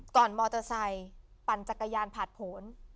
ก่อนมอเตอร์ไซค์ปั่นจักรยานผ่านผล